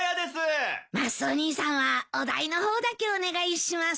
マスオ兄さんはお代の方だけお願いします。